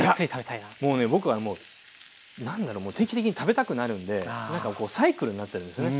僕はもう何だろ定期的に食べたくなるんでなんかサイクルになってるんですね。